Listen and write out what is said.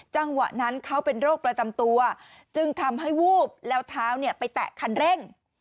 จังหวะนั้นเขาเป็นโรคประจำตัวจึงทำให้วูบแล้วเท้าไปแตะคันเร่ง